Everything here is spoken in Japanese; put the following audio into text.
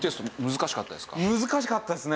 難しかったですね